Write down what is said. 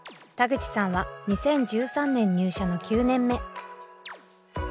田口さんは２０１３年入社の９年目。